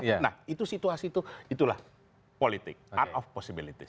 nah itu situasi itu itulah politik art of possibilities